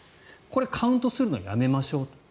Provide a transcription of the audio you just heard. これ、カウントするのはやめましょうと。